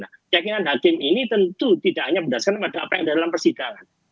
keyakinan hakim ini tentu tidak hanya berdasarkan pada apa yang ada dalam persidangan